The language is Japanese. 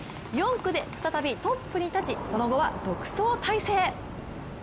４区で再びトップに立ちその後は独走体制。